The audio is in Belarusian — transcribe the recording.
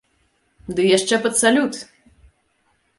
Ды яшчэ пад салют!